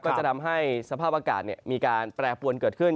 ก็จะทำให้สภาพอากาศมีการแปรปวนเกิดขึ้น